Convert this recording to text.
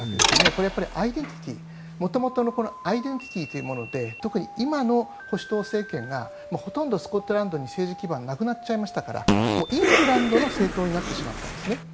これ、アイデンティティー元々のアイデンティティーというもので特に今の保守党政権がほとんどスコットランドに政治基盤なくなっちゃいましたからイングランドの政党になってしまったんですね。